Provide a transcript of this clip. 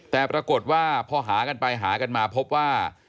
แต่ปรากฏว่าพอหากันไปหากันมาพบว่า